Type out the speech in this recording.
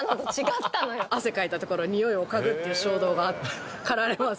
汗かいたとこの匂いを嗅ぐっていう衝動が駆られます。